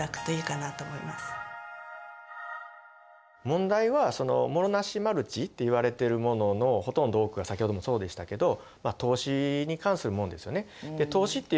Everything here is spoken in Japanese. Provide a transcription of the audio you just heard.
問題はモノなしマルチといわれているもののほとんど多くが先ほどもそうでしたけど投資に関するものですよね。